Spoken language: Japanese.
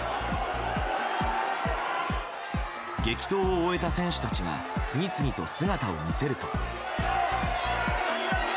激闘を終えた選手たちが次々と姿を見せると。